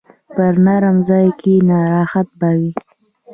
په نرمه ځای کښېنه، راحت به وي.